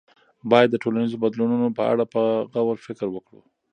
باید د ټولنیزو بدلونونو په اړه په غور فکر وکړو.